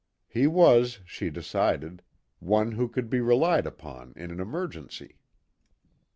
He was, she decided, one who could be relied upon in an emergency.